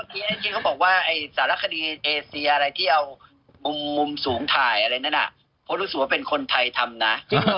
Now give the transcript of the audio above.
จริงเขาบอกว่าไอ้สารคดีเอเซียอะไรที่เอามุมสูงถ่ายอะไรนั้นเพราะรู้สึกว่าเป็นคนไทยทำนะ